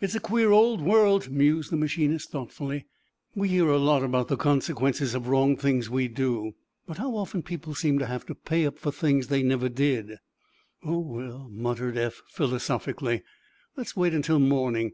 "It's a queer old world," mused the machinist, thoughtfully. "We hear a lot about the consequences of wrong things we do. But how often people seem to have to pay up for things they never did!" "Oh, well," muttered Eph, philosophically, "let's wait until morning.